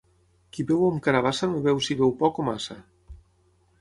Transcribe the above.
Qui beu amb carabassa no veu si beu poc o massa.